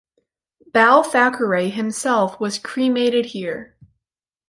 Bal Thackeray himself was cremated here.